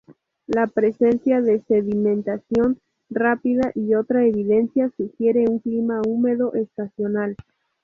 La presencia de sedimentación rápida y otra evidencia sugiere un clima húmedo estacional.